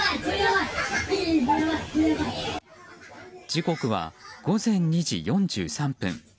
時刻は午前２時４３分。